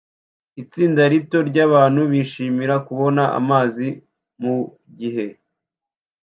Itsinda rito rya batatu bishimira kubona amazi mugihe